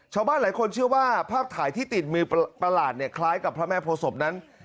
ชาวบ้านหลายคนเชื่อว่าภาพถ่ายที่ติดมือประหลาดเนี่ยคล้ายกับพระแม่โพศพนั้น